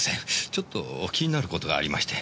ちょっと気になる事がありまして。